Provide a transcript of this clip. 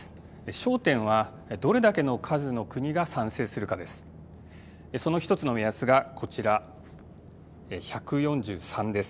焦点はどれだけの数の国が賛成するかです。